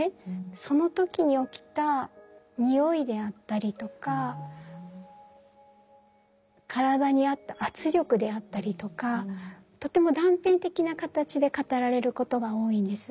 その時に起きたにおいであったりとか体にあった圧力であったりとかとても断片的な形で語られることが多いんです。